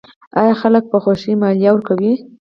آیا خلک په خوښۍ مالیه ورکوي؟